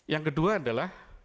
yang kedua adalah